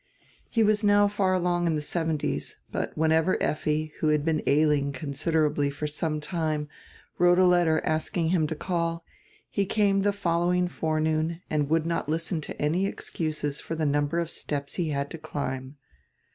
He was now far along in die seventies, but whenever Effi, who had been ailing considerably for some time, wrote a letter asking him to call, he came die following forenoon and would not listen to any excuses for die number of steps he had to climb.